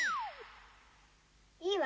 いいわ。